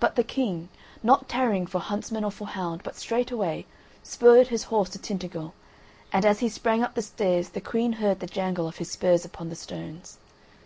But the King (not tarrying for huntsman or for hound but straight away) spurred his horse to Tintagel; and as he sprang up the stairs the Queen heard the jangle of his spurs upon the stones.